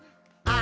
「あ！